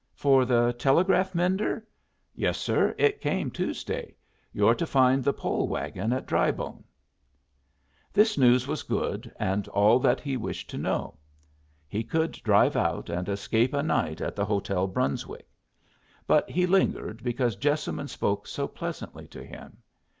"For the telegraph mender? Yes, sir. It came Tuesday. You're to find the pole wagon at Drybone." This news was good, and all that he wished to know. He could drive out and escape a night at the Hotel Brunswick. But he lingered, because Jessamine spoke so pleasantly to him.